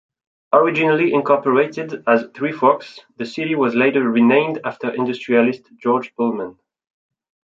Originally incorporated as Three Forks, the city was later renamed after industrialist George Pullman.